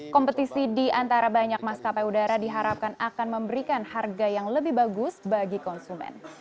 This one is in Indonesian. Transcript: kompetisi di antara banyak maskapai udara diharapkan akan memberikan harga yang lebih bagus bagi konsumen